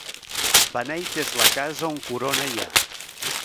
Beneita és la casa on corona hi ha.